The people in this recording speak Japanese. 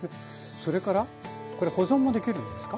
それからこれ保存もできるんですか？